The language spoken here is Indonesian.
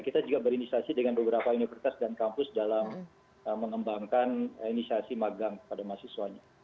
kita juga berinisiasi dengan beberapa universitas dan kampus dalam mengembangkan inisiasi magang kepada mahasiswanya